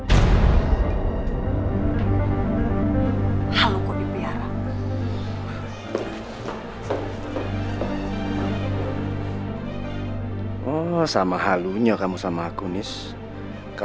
jadi itu tidak mana